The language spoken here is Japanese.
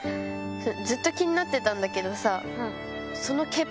ずっと気になってたんだけどさ。